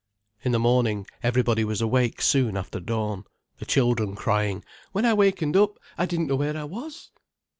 In the morning everybody was awake soon after dawn, the children crying: "When I wakened up I didn't know where I was."